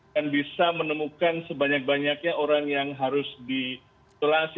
dan bisa menemukan sebanyak banyaknya orang yang harus ditelan